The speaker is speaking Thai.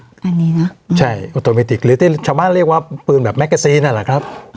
อันนี้นะใช่ออโตเมติกหรือที่ชาวบ้านเรียกว่าปืนแบบแกซีนนั่นแหละครับ